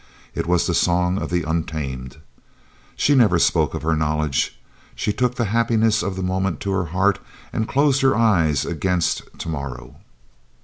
It was the song of the untamed. She never spoke of her knowledge. She took the happiness of the moment to her heart and closed her eyes against tomorrow.